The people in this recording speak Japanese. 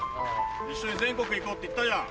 一緒に全国行こうって言ったじゃん。